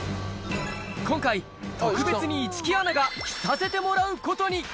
今回、特別に市來アナが着させてもらうことに。